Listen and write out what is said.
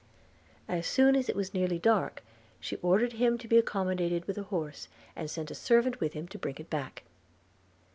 As soon as it was nearly dark she ordered him to be accommodated with a horse, and sent a servant with him to bring it back.